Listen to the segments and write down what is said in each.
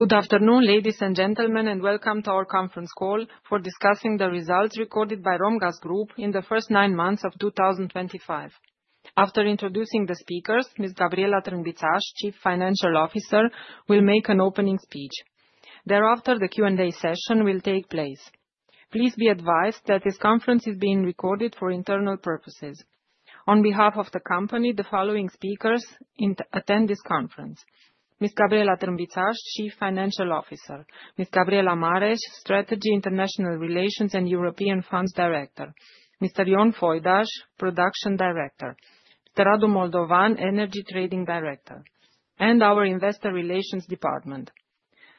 Good afternoon, ladies and gentlemen, and welcome to our conference call for discussing the results recorded by Romgaz Group in the first nine months of 2025. After introducing the speakers, Ms. Gabriela TRÂNBIŢAŞ, Chief Financial Officer, will make an opening speech. Thereafter, the Q&A session will take place. Please be advised that this conference is being recorded for internal purposes. On behalf of the company, the following speakers attend this conference: Ms. Gabriela TRÂNBIŢAŞ, Chief Financial Officer, Ms. Gabriela MAREȘ, Strategy International Relations and European Funds Director, Mr. Ion Foydash, Production Director, Mr. Radu Moldovan, Energy Trading Director, and our Investor Relations Department.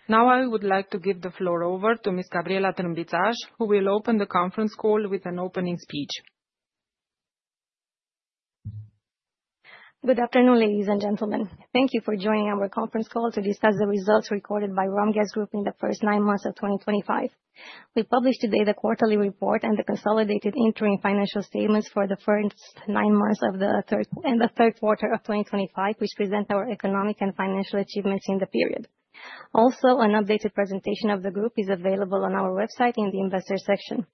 Now, I would like to give the floor over to Ms. Gabriela TRÂNBIŢAŞ, who will open the conference call with an opening speech. Good afternoon, ladies and gentlemen. Thank you for joining our conference call to discuss the results recorded by Romgaz Group in the first nine months of 2025. We published today the quarterly report and the consolidated interim financial statements for the first nine months of the third quarter of 2025, which present our economic and financial achievements in the period. Also, an updated presentation of the group is available on our website in the Investor section.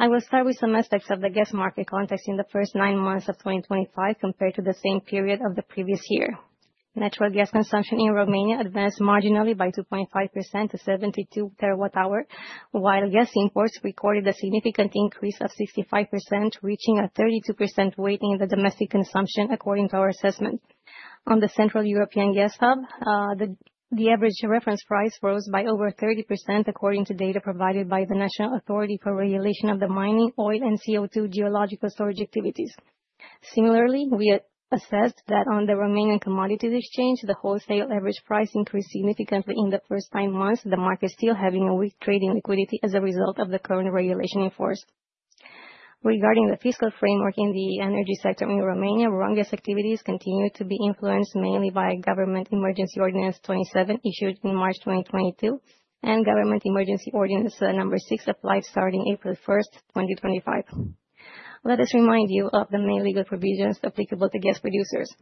I will start with some aspects of the gas market context in the first nine months of 2025 compared to the same period of the previous year. Natural gas consumption in Romania advanced marginally by 2.5% to 72 TWh, while gas imports recorded a significant increase of 65%, reaching a 32% weight in the domestic consumption, according to our assessment. On the Central European Gas Hub, the average reference price rose by over 30%, according to data provided by the National Authority for Regulation of the Mining, Oil, and CO2 Geological Storage Activities. Similarly, we assessed that on the Romanian Commodities Exchange, the wholesale average price increased significantly in the first nine months, the market still having a weak trading liquidity as a result of the current regulation enforced. Regarding the fiscal framework in the energy sector in Romania, Romgaz's activities continue to be influenced mainly by Government Emergency Ordinance 27, issued in March 2022, and Government Emergency Ordinance Number 6, applied starting April 1, 2025. Let us remind you of the main legal provisions applicable to gas producers.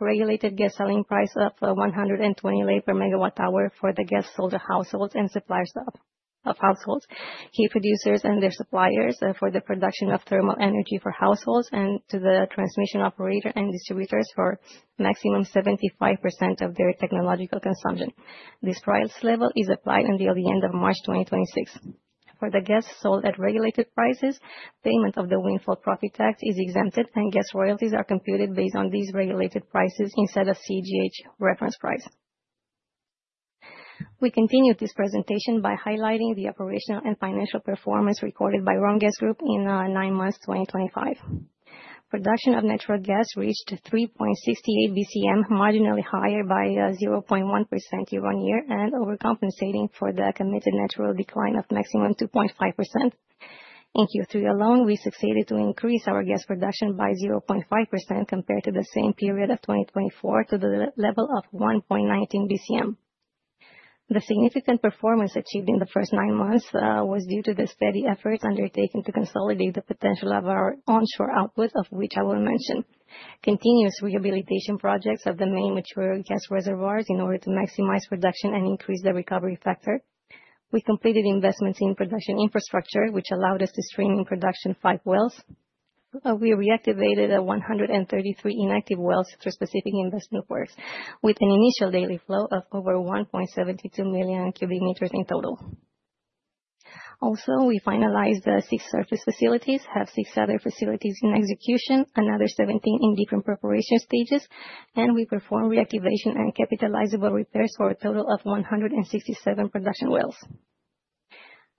Regulated gas selling price of RON 120 per megawatt-hour for the gas sold to households and suppliers of households, key producers, and their suppliers for the production of thermal energy for households, and to the transmission operator and distributors for a maximum of 75% of their technological consumption. This price level is applied until the end of March 2026. For the gas sold at regulated prices, payment of the windfall profit tax is exempted, and gas royalties are computed based on these regulated prices instead of Central European Gas Hub reference price. We continue this presentation by highlighting the operational and financial performance recorded by Romgaz Group in nine months 2025. Production of natural gas reached 3.68 BCM, marginally higher by 0.1% year-on-year and overcompensating for the committed natural decline of maximum 2.5%. In Q3 alone, we succeeded to increase our gas production by 0.5% compared to the same period of 2024 to the level of 1.19 BCM. The significant performance achieved in the first nine months was due to the steady efforts undertaken to consolidate the potential of our onshore output, of which I will mention continuous rehabilitation projects of the main mature gas reservoirs in order to maximize production and increase the recovery factor. We completed investments in production infrastructure, which allowed us to stream in production pipe wells. We reactivated 133 inactive wells through specific investment works, with an initial daily flow of over 1.72 million cu m in total. Also, we finalized six surface facilities, have six other facilities in execution, another 17 in different preparation stages, and we performed reactivation and capitalizable repairs for a total of 167 production wells.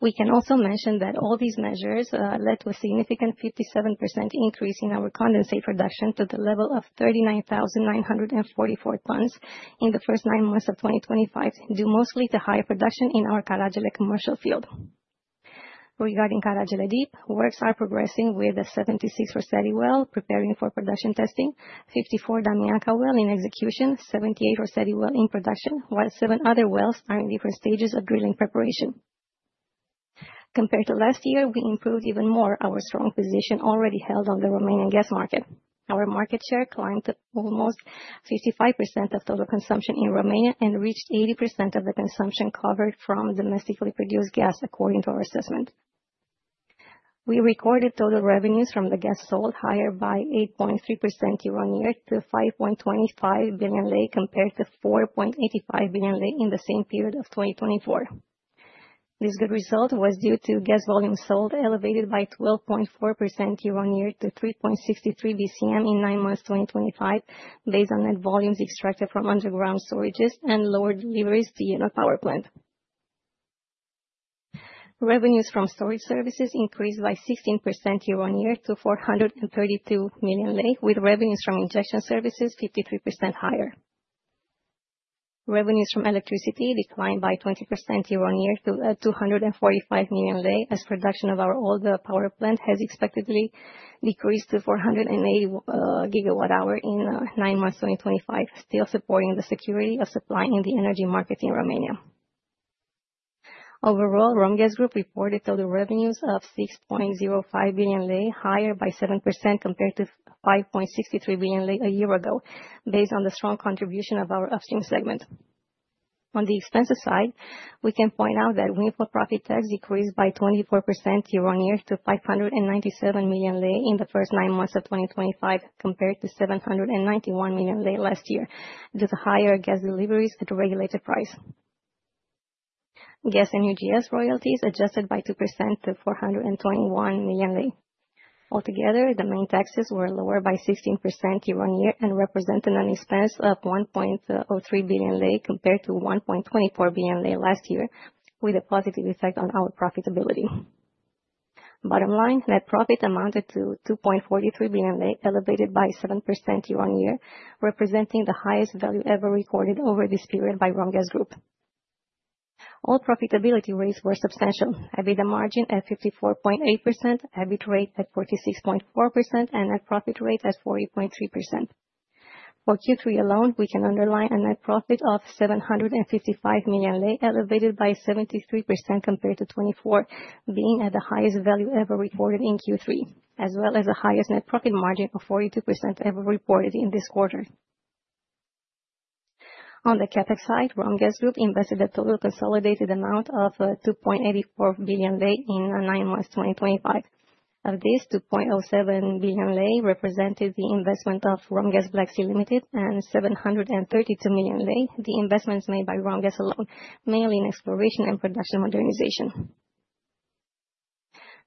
We can also mention that all these measures led to a significant 57% increase in our condensate production to the level of 39,944 tons in the first nine months of 2025, due mostly to high production in our Caragele commercial field. Regarding Caragele Deep, works are progressing with 76 Rosetti wells preparing for production testing, 54 Damiaca wells in execution, 78 Rosetti wells in production, while seven other wells are in different stages of drilling preparation. Compared to last year, we improved even more our strong position already held on the Romanian gas market. Our market share climbed to almost 65% of total consumption in Romania and reached 80% of the consumption covered from domestically produced gas, according to our assessment. We recorded total revenues from the gas sold higher by 8.3% year-on-year to RON 5.25 billion compared to RON 4.85 billion in the same period of 2024. This good result was due to gas volume sold elevated by 12.4% year-on-year to 3.63 BCM in nine months 2025, based on net volumes extracted from underground storages and lower deliveries to Iernut Power Plant. Revenues from storage services increased by 16% year-on-year to RON 432 million, with revenues from injection services 53% higher. Revenues from electricity declined by 20% year-on-year to RON 245 million, as production of our old power plant has expectedly decreased to 480 GWh in nine months 2025, still supporting the security of supply in the energy market in Romania. Overall, Romgaz Group reported total revenues of RON 6.05 billion, higher by 7% compared to RON 5.63 billion a year ago, based on the strong contribution of our upstream segment. On the expenses side, we can point out that windfall profit tax decreased by 24% year-on-year to RON 597 million in the first nine months of 2025, compared to RON 791 million last year due to higher gas deliveries at a regulated price. Gas and UGS royalties adjusted by 2% to RON 421 million. Altogether, the main taxes were lower by 16% year-on-year and represented an expense of RON 1.03 billion compared to RON 1.24 billion last year, with a positive effect on our profitability. Bottom line, net profit amounted to RON 2.43 billion, elevated by 7% year-on-year, representing the highest value ever recorded over this period by Romgaz Group. All profitability rates were substantial: EBITDA margin at 54.8%, EBIT rate at 46.4%, and net profit rate at 40.3%. For Q3 alone, we can underline a net profit of RON 755 million, elevated by 73% compared to 2024, being at the highest value ever recorded in Q3, as well as the highest net profit margin of 42% ever reported in this quarter. On the CapEx side, Romgaz Group invested a total consolidated amount of RON 2.84 billion in nine months 2025. Of this, RON 2.07 billion represented the investment of Romgaz Black Sea Limited and RON 732 million, the investments made by Romgaz alone, mainly in exploration and production modernization.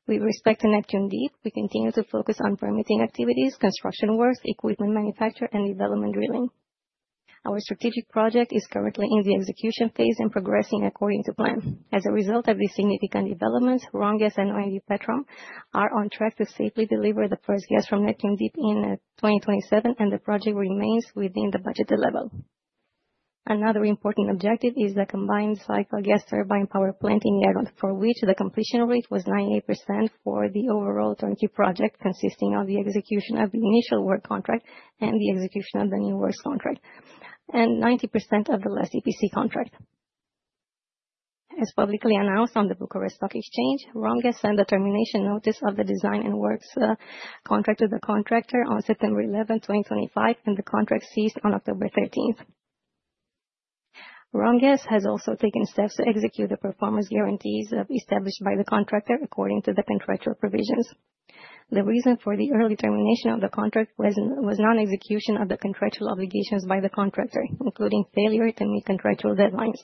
With respect to Neptune Deep, we continue to focus on permitting activities, construction works, equipment manufacture, and development drilling. Our strategic project is currently in the execution phase and progressing according to plan. As a result of these significant developments, Romgaz and OMV Petrom are on track to safely deliver the first gas from Neptune Deep in 2027, and the project remains within the budgeted level. Another important objective is the combined cycle gas turbine power plant in Iernut, for which the completion rate was 98% for the overall turnkey project, consisting of the execution of the initial work contract and the execution of the new works contract, and 90% of the last EPC contract. As publicly announced on the Bucharest Stock Exchange, Romgaz sent a termination notice of the design and works contract to the contractor on September 11, 2025, and the contract ceased on October 13. Romgaz has also taken steps to execute the performance guarantees established by the contractor, according to the contractual provisions. The reason for the early termination of the contract was non-execution of the contractual obligations by the contractor, including failure to meet contractual deadlines.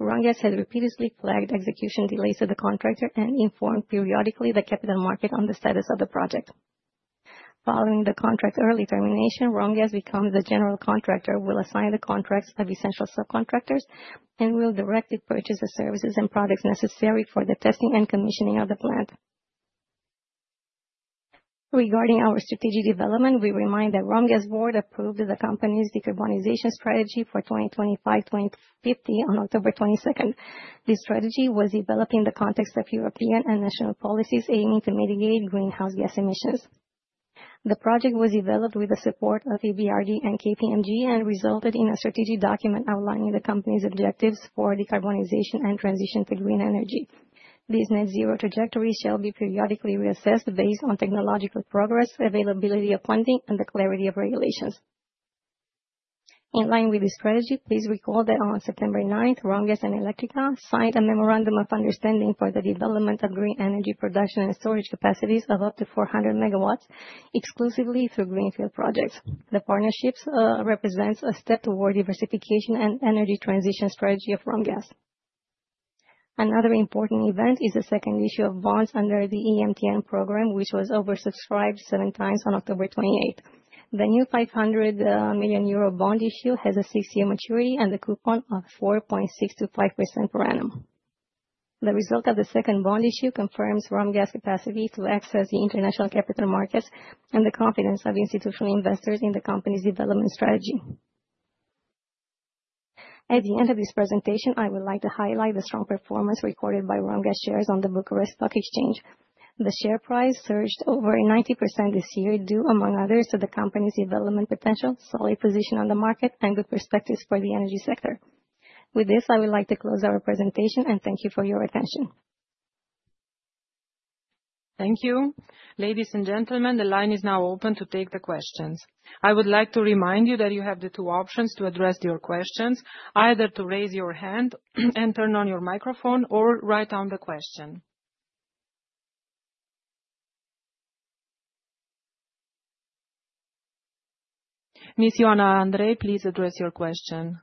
Romgaz has repeatedly flagged execution delays of the contractor and informed periodically the capital market on the status of the project. Following the contract's early termination, Romgaz becomes the general contractor, will assign the contracts of essential subcontractors, and will directly purchase the services and products necessary for the testing and commissioning of the plant. Regarding our strategic development, we remind that Romgaz Board approved the company's decarbonization strategy for 2025-2050 on October 22. This strategy was developed in the context of European and national policies aiming to mitigate greenhouse gas emissions. The project was developed with the support of EBRD and KPMG and resulted in a strategic document outlining the company's objectives for decarbonization and transition to green energy. This net-zero trajectory shall be periodically reassessed based on technological progress, availability of funding, and the clarity of regulations. In line with this strategy, please recall that on September 9, Romgaz and Electrica signed a memorandum of understanding for the development of green energy production and storage capacities of up to 400 MW exclusively through greenfield projects. The partnership represents a step toward diversification and energy transition strategy of Romgaz. Another important event is the second issue of bonds under the EMTN program, which was oversubscribed 7x on October 28. The new 500 million euro bond issue has a six-year maturity and a coupon of 4.625% per annum. The result of the second bond issue confirms Romgaz's capacity to access the international capital markets and the confidence of institutional investors in the company's development strategy. At the end of this presentation, I would like to highlight the strong performance recorded by Romgaz shares on the Bucharest Stock Exchange. The share price surged over 90% this year, due, among others, to the company's development potential, solid position on the market, and good perspectives for the energy sector. With this, I would like to close our presentation and thank you for your attention. Thank you. Ladies and gentlemen, the line is now open to take the questions. I would like to remind you that you have the two options to address your questions, either to raise your hand and turn on your microphone or write down the question. Ms. Ioana Andrei, please address your question.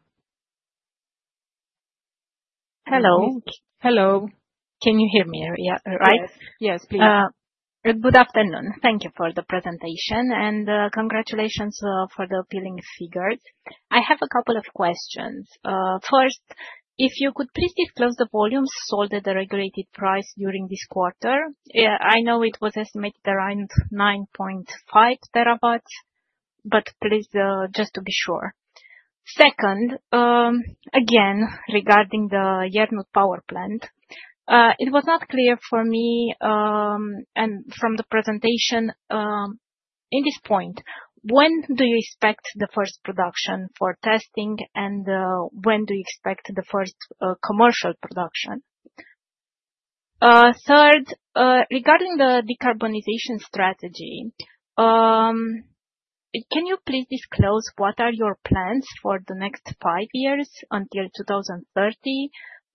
Hello. Hello. Can you hear me? Right? Yes, please. Good afternoon. Thank you for the presentation and congratulations for the appealing figures. I have a couple of questions. First, if you could please disclose the volumes sold at the regulated price during this quarter. I know it was estimated around 9.5 TWh, but please, just to be sure. Second, again, regarding the Iernut power plant, it was not clear for me and from the presentation in this point, when do you expect the first production for testing and when do you expect the first commercial production? Third, regarding the decarbonization strategy, can you please disclose what are your plans for the next five years until 2030?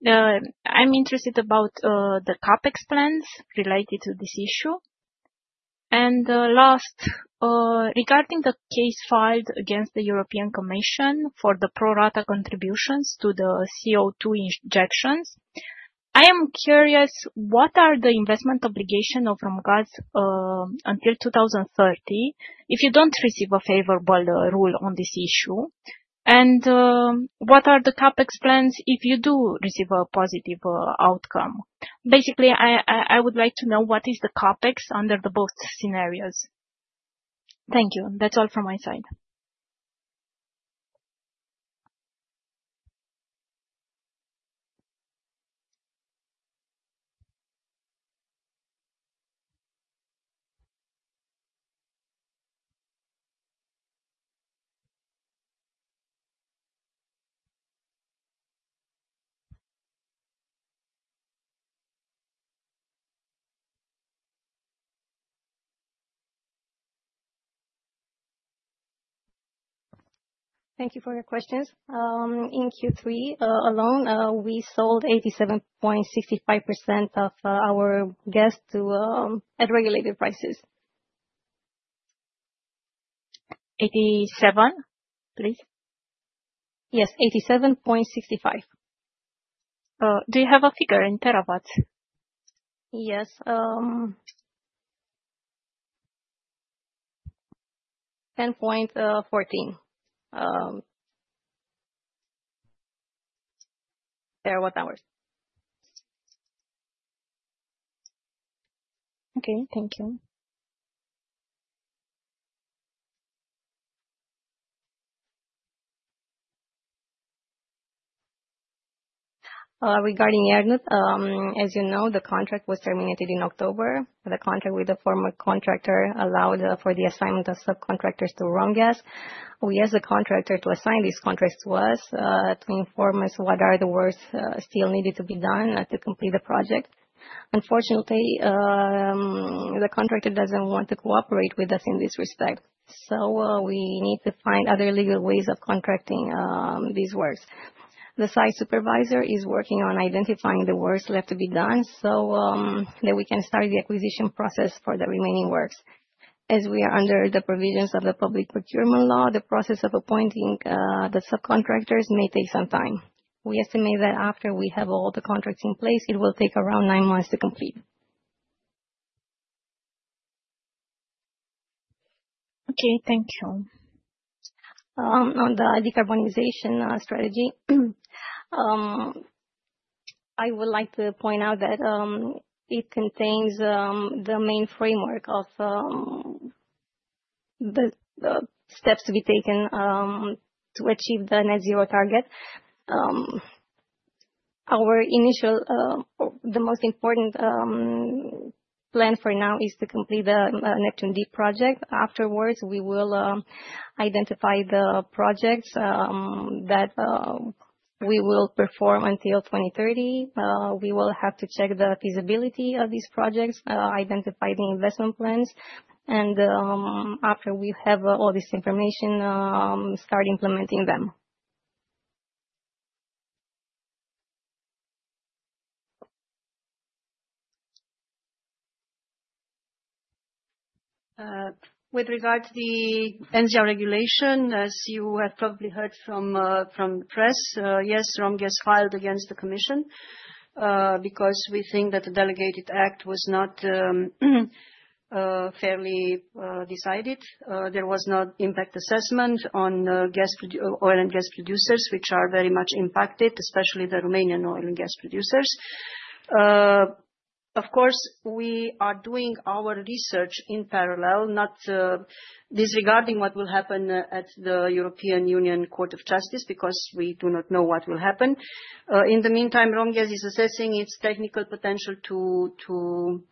I'm interested about the CapEx plans related to this issue. Regarding the case filed against the European Commission for the pro-rata contributions to the CO2 injections, I am curious what are the investment obligations of Romgaz until 2030 if you do not receive a favorable rule on this issue, and what are the CapEx plans if you do receive a positive outcome? Basically, I would like to know what is the CapEx under both scenarios. Thank you. That is all from my side. Thank you for your questions. In Q3 alone, we sold 87.65% of our gas at regulated prices. 87, please. Yes, 87.65. Do you have a figure in terawatts? Yes. 10.14 TWh. Okay, thank you. Regarding Iernut, as you know, the contract was terminated in October. The contract with the former contractor allowed for the assignment of subcontractors to Romgaz. We asked the contractor to assign these contracts to us to inform us what are the works still needed to be done to complete the project. Unfortunately, the contractor doesn't want to cooperate with us in this respect, so we need to find other legal ways of contracting these works. The site supervisor is working on identifying the works left to be done so that we can start the acquisition process for the remaining works. As we are under the provisions of the Public Procurement Law, the process of appointing the subcontractors may take some time. We estimate that after we have all the contracts in place, it will take around nine months to complete. Okay, thank you. On the decarbonization strategy, I would like to point out that it contains the main framework of the steps to be taken to achieve the net-zero target. Our initial, or the most important plan for now, is to complete the Neptune Deep project. Afterwards, we will identify the projects that we will perform until 2030. We will have to check the feasibility of these projects, identify the investment plans, and after we have all this information, start implementing them. With regard to the NGR regulation, as you have probably heard from the press, yes, Romgaz filed against the Commission because we think that the delegated act was not fairly decided. There was no impact assessment on oil and gas producers, which are very much impacted, especially the Romanian oil and gas producers. Of course, we are doing our research in parallel, not disregarding what will happen at the European Union Court of Justice because we do not know what will happen. In the meantime, Romgaz is assessing its technical potential to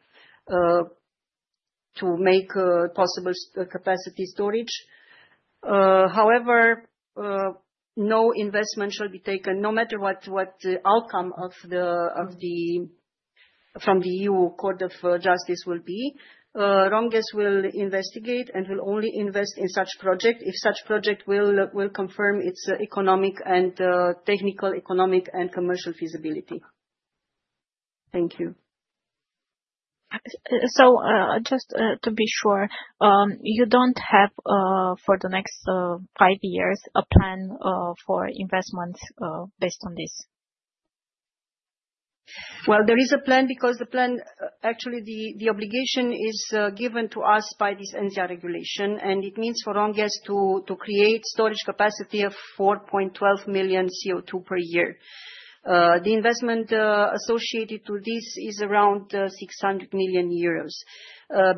make possible capacity storage. However, no investment shall be taken, no matter what the outcome from the EU Court of Justice will be. Romgaz will investigate and will only invest in such projects if such projects will confirm its economic and technical, economic and commercial feasibility. Thank you. Just to be sure, you don't have for the next five years a plan for investments based on this? There is a plan because the plan, actually, the obligation is given to us by this NGR Regulation, and it means for Romgaz to create storage capacity of 4.12 million CO2 per year. The investment associated with this is around 600 million euros.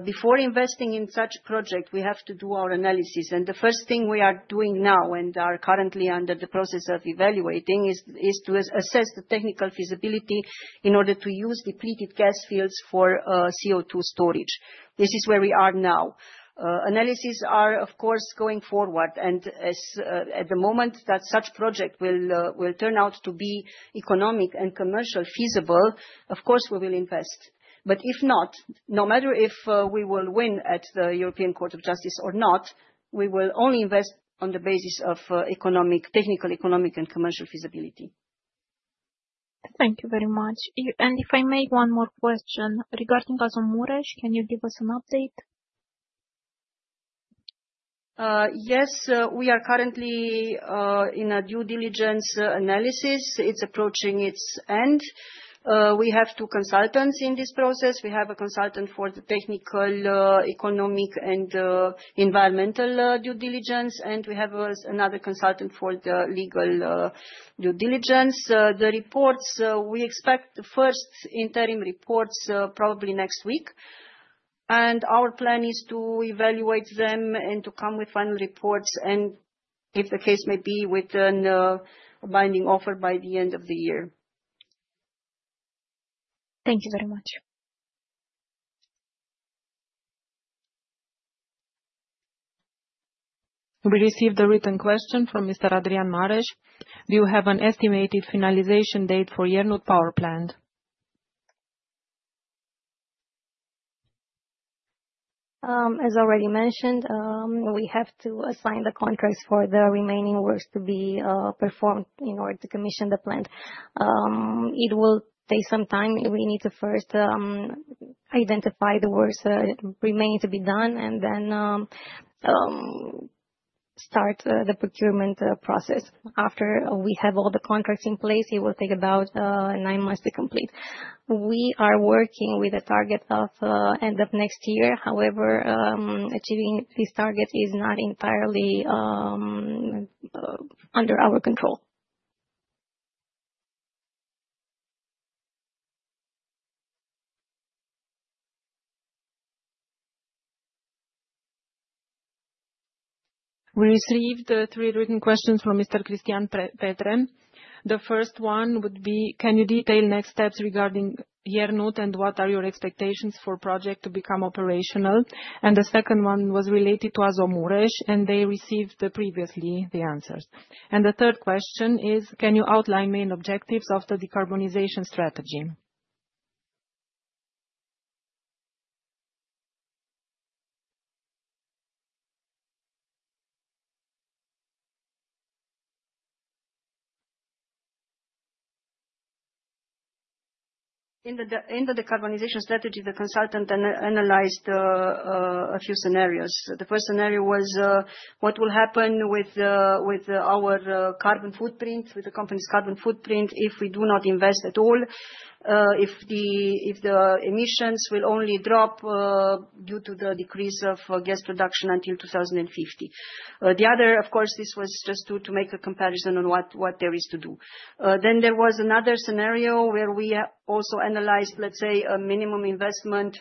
Before investing in such a project, we have to do our analysis. The first thing we are doing now and are currently under the process of evaluating is to assess the technical feasibility in order to use depleted gas fields for CO2 storage. This is where we are now. Analyses are, of course, going forward. At the moment that such a project will turn out to be economic and commercially feasible, of course, we will invest. If not, no matter if we will win at the European Court of Justice or not, we will only invest on the basis of technical, economic, and commercial feasibility. Thank you very much. If I may, one more question. Regarding Azomureș, can you give us an update? Yes, we are currently in a due diligence analysis. It's approaching its end. We have two consultants in this process. We have a consultant for the technical, economic, and environmental due diligence, and we have another consultant for the legal due diligence. The reports, we expect the first interim reports probably next week. Our plan is to evaluate them and to come with final reports and, if the case may be, with a binding offer by the end of the year. Thank you very much. We received a written question from Mr. Adrian Mares. Do you have an estimated finalization date for Iernut power plant? As already mentioned, we have to assign the contracts for the remaining works to be performed in order to commission the plant. It will take some time. We need to first identify the works that remain to be done and then start the procurement process. After we have all the contracts in place, it will take about nine months to complete. We are working with a target of end of next year. However, achieving these targets is not entirely under our control. We received three written questions from Mr. Cristian Petre. The first one would be, can you detail next steps regarding Iernut and what are your expectations for the project to become operational? The second one was related to Azomureș, and they received previously the answers. The third question is, can you outline main objectives of the decarbonization strategy? In the decarbonization strategy, the consultant analyzed a few scenarios. The first scenario was what will happen with our carbon footprint, with the company's carbon footprint if we do not invest at all, if the emissions will only drop due to the decrease of gas production until 2050. The other, of course, this was just to make a comparison on what there is to do. There was another scenario where we also analyzed, let's say, a minimum investment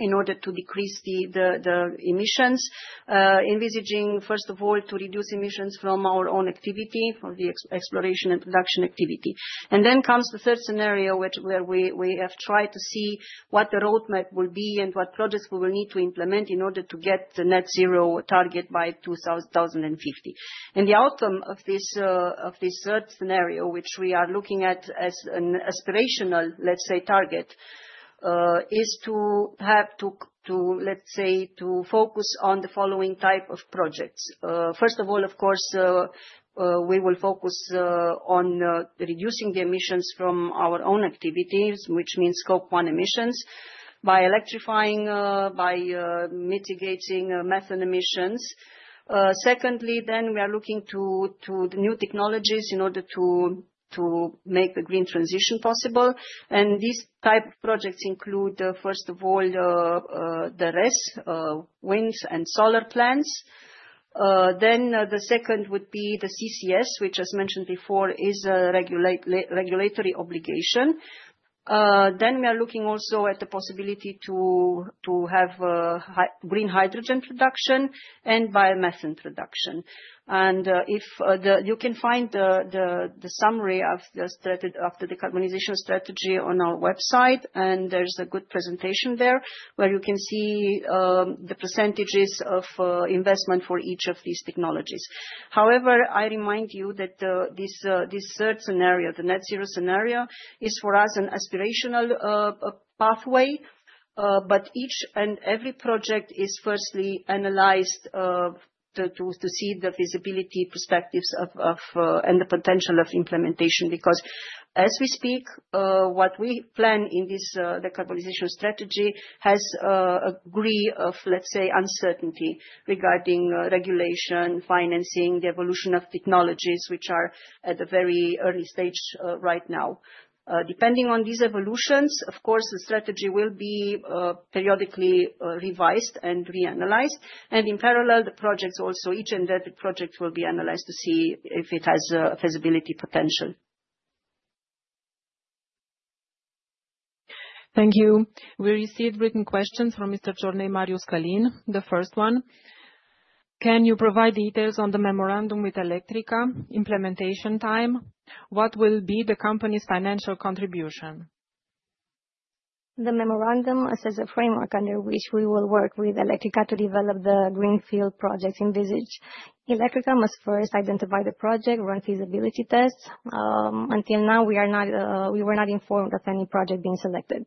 in order to decrease the emissions, envisaging, first of all, to reduce emissions from our own activity for the exploration and production activity. There comes the third scenario where we have tried to see what the roadmap will be and what projects we will need to implement in order to get the net-zero target by 2050. The outcome of this third scenario, which we are looking at as an aspirational, let's say, target, is to have, let's say, to focus on the following type of projects. First of all, of course, we will focus on reducing the emissions from our own activities, which means scope one emissions, by electrifying, by mitigating methane emissions. Secondly, we are looking to the new technologies in order to make the green transition possible. These types of projects include, first of all, the RES, wind and solar plants. The second would be the CCS, which, as mentioned before, is a regulatory obligation. We are looking also at the possibility to have green hydrogen production and biomethane production. You can find the summary of the decarbonization strategy on our website, and there is a good presentation there where you can see the percentages of investment for each of these technologies. However, I remind you that this third scenario, the net-zero scenario, is for us an aspirational pathway, but each and every project is firstly analyzed to see the feasibility perspectives and the potential of implementation because, as we speak, what we plan in this decarbonization strategy has a degree of, let's say, uncertainty regarding regulation, financing, the evolution of technologies, which are at a very early stage right now. Depending on these evolutions, of course, the strategy will be periodically revised and reanalyzed. In parallel, the projects also, each and every project will be analyzed to see if it has feasibility potential. Thank you. We received written questions from Mr. Jorné Marius Kalin. The first one, can you provide details on the memorandum with Electrica, implementation time? What will be the company's financial contribution? The memorandum sets a framework under which we will work with Electrica to develop the greenfield projects envisaged. Electrica must first identify the project, run feasibility tests. Until now, we were not informed of any project being selected.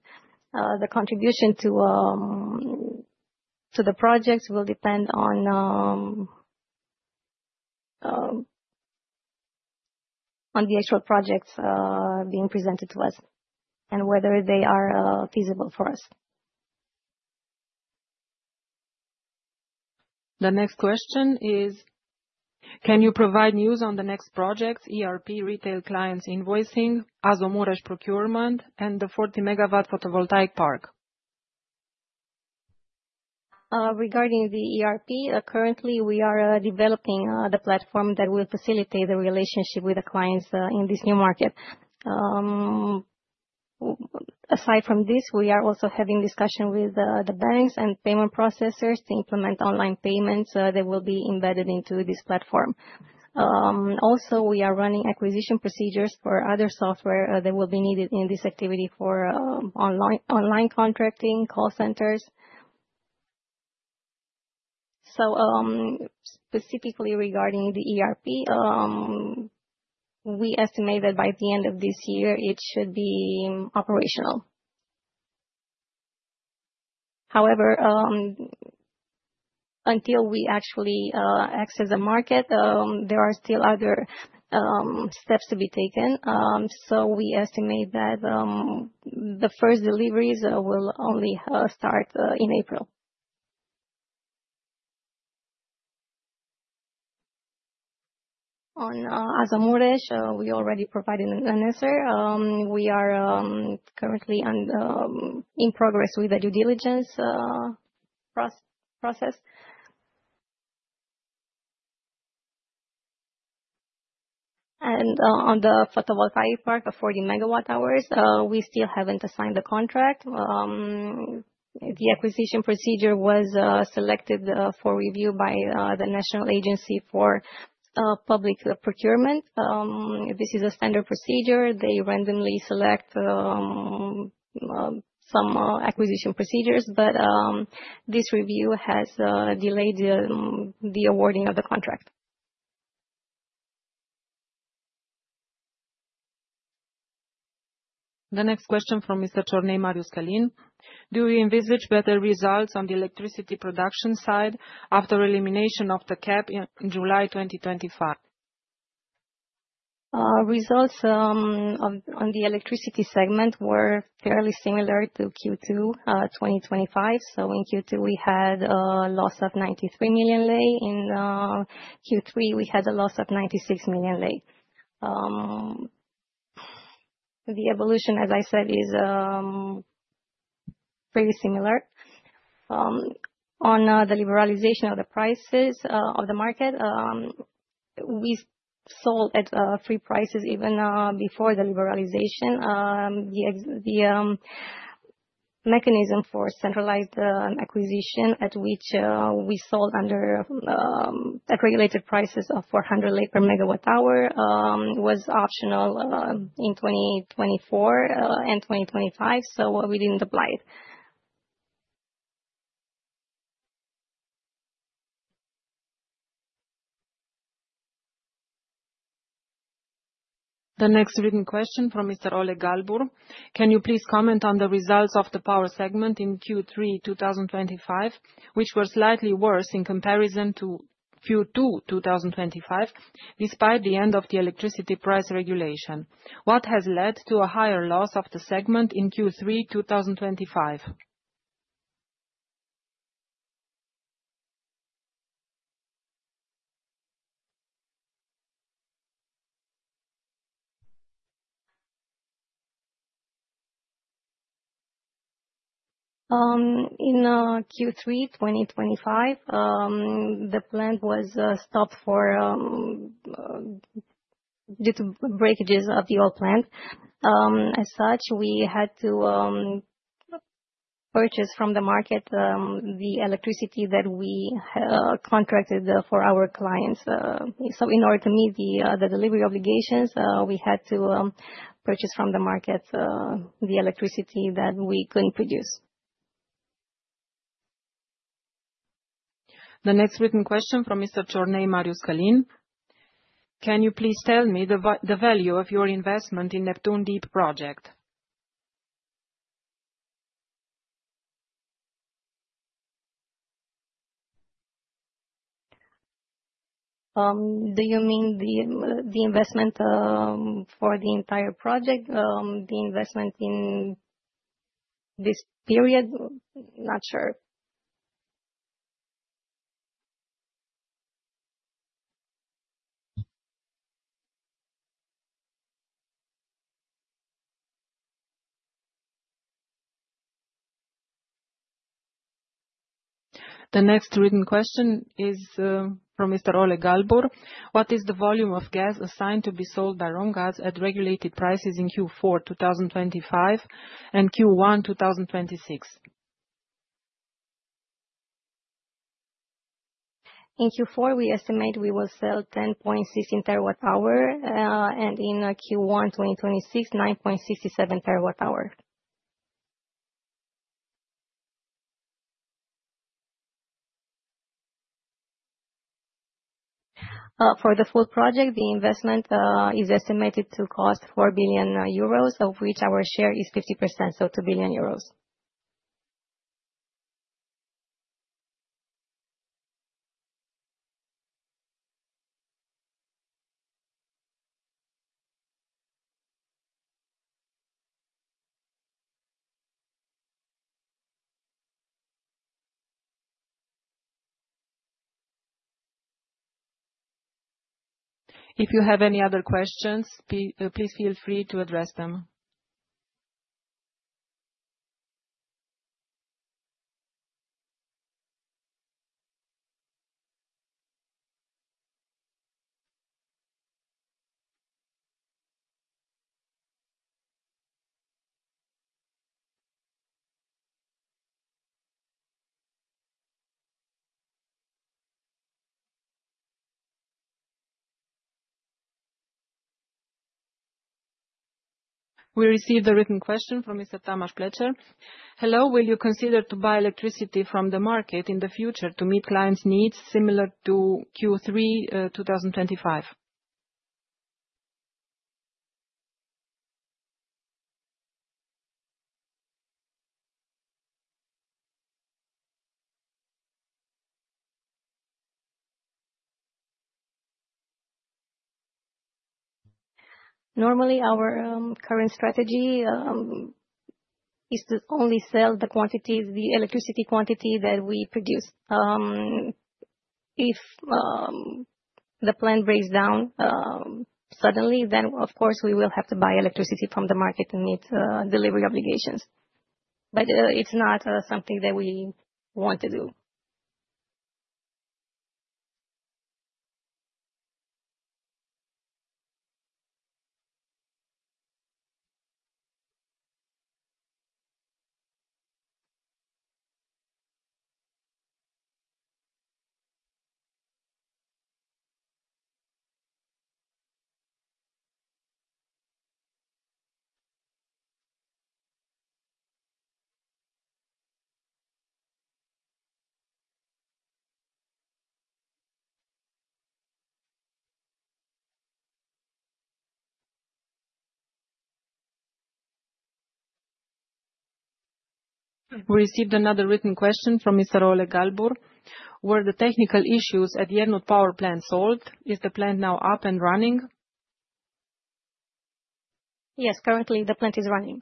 The contribution to the projects will depend on the actual projects being presented to us and whether they are feasible for us. The next question is, can you provide news on the next projects, ERP, retail clients invoicing, Azomureș procurement, and the 40 MW photovoltaic park? Regarding the ERP, currently, we are developing the platform that will facilitate the relationship with the clients in this new market. Aside from this, we are also having discussions with the banks and payment processors to implement online payments that will be embedded into this platform. Also, we are running acquisition procedures for other software that will be needed in this activity for online contracting, call centers. Specifically regarding the ERP, we estimate that by the end of this year, it should be operational. However, until we actually access the market, there are still other steps to be taken. We estimate that the first deliveries will only start in April. On Azomureș, we already provided an answer. We are currently in progress with the due diligence process. On the photovoltaic park, 40 MWh, we still have not assigned the contract. The acquisition procedure was selected for review by the National Agency for Public Procurement. This is a standard procedure. They randomly select some acquisition procedures, but this review has delayed the awarding of the contract. The next question from Mr. Jorné Marius Kalin. Do you envisage better results on the electricity production side after elimination of the cap in July 2025? Results on the electricity segment were fairly similar to Q2 2025. In Q2, we had a loss of RON 93 million. In Q3, we had a loss of RON 96 million. The evolution, as I said, is very similar. On the liberalization of the prices of the market, we sold at free prices even before the liberalization. The mechanism for centralized acquisition at which we sold under regulated prices of RON 400 per MWh was optional in 2024 and 2025, so we did not apply it. The next written question from Mr. Oleg Galbur. Can you please comment on the results of the power segment in Q3 2025, which were slightly worse in comparison to Q2 2025 despite the end of the electricity price regulation? What has led to a higher loss of the segment in Q3 2025? In Q3 2025, the plant was stopped due to breakages of the old plant. As such, we had to purchase from the market the electricity that we contracted for our clients. In order to meet the delivery obligations, we had to purchase from the market the electricity that we couldn't produce. The next written question from Mr. Jorné Marius Kalin. Can you please tell me the value of your investment in Neptune Deep project? Do you mean the investment for the entire project, the investment in this period? Not sure. The next written question is from Mr. Oleg Galbur. What is the volume of gas assigned to be sold by Romgaz at regulated prices in Q4 2025 and Q1 2026? In Q4, we estimate we will sell 10.6 TWh, and in Q1 2026, 9.67 TWh. For the full project, the investment is estimated to cost 4 billion euros, of which our share is 50%, so 2 billion euros. If you have any other questions, please feel free to address them. We received a written question from Mr. Tamar Pletcher. Hello, will you consider buying electricity from the market in the future to meet clients' needs similar to Q3 2025? Normally, our current strategy is to only sell the electricity quantity that we produce. If the plant breaks down suddenly, then, of course, we will have to buy electricity from the market and meet delivery obligations. It is not something that we want to do. We received another written question from Mr. Oleg Galbur. Were the technical issues at the Iernut Power Plant solved? Is the plant now up and running? Yes, currently, the plant is running.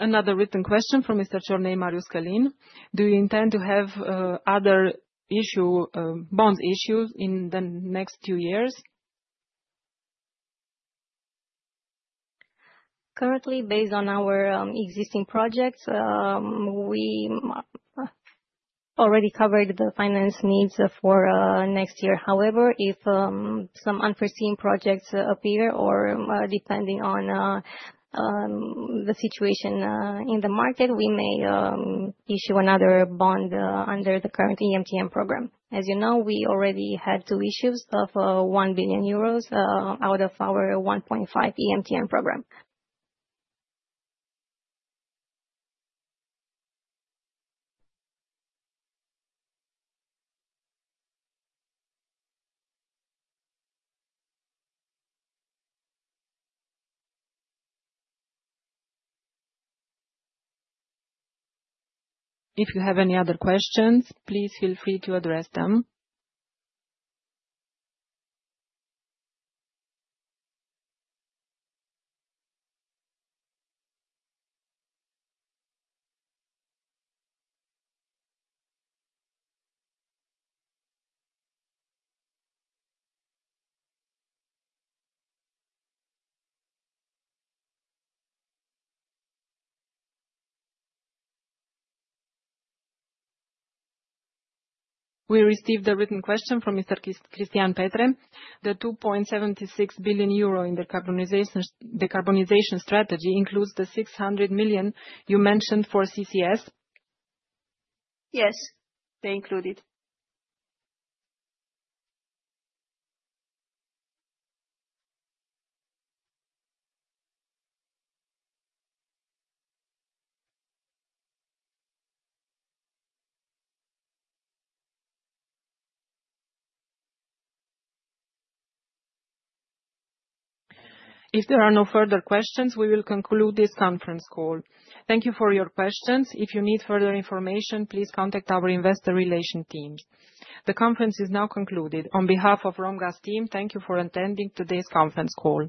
Another written question from Mr. Jorné Marius Kalin. Do you intend to have other bond issues in the next few years? Currently, based on our existing projects, we already covered the finance needs for next year. However, if some unforeseen projects appear or depending on the situation in the market, we may issue another bond under the current EMTN program. As you know, we already had two issues of 1 billion euros out of our 1.5 billion EMTN program. If you have any other questions, please feel free to address them. We received a written question from Mr. Cristian Petre. The 2.76 billion euro in the decarbonization strategy includes the 600 million you mentioned for CCS? Yes, they include it. If there are no further questions, we will conclude this conference call. Thank you for your questions. If you need further information, please contact our investor relation team. The conference is now concluded. On behalf of the Romgaz team, thank you for attending today's conference call.